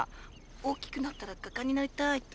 「大きくなったら画家になりたい」って。